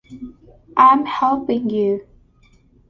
I'm helping you.